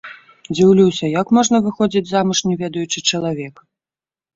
Дзіўлюся, як можна выходзіць замуж, не ведаючы чалавека?